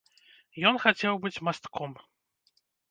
Ён хацеў быць мастком.